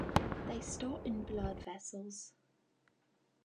They start in blood vessels.